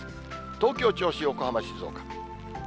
東京、銚子、横浜、静岡。